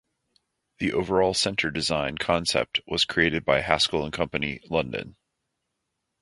The overall centre design concept was created by Haskoll and Company, London.